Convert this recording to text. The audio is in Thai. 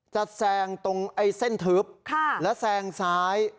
แซงตรงไอ้เส้นทึบแล้วแซงซ้าย